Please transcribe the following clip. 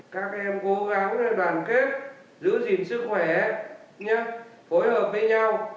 các em cố gắng đoàn kết giữ gìn sức khỏe nhau phối hợp với nhau